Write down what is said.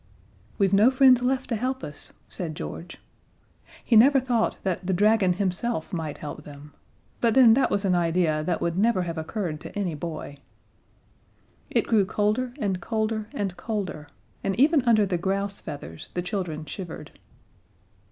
"We've no friends left to help us," said George. He never thought that the dragon himself might help them but then that was an idea that would never have occurred to any boy. It grew colder and colder and colder, and even under the grouse feathers the children shivered.